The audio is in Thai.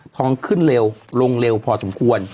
ของขึ้นเร็วลงเร็วพอสมควร